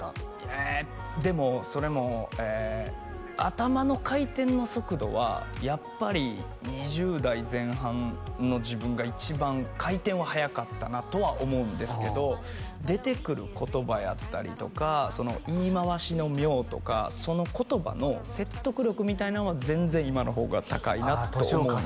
えでもそれもえ頭の回転の速度はやっぱり２０代前半の自分が一番回転は速かったなとは思うんですけど出てくる言葉やったりとかその言い回しの妙とかその言葉の説得力みたいなんは全然今の方が高いなと思うんですよ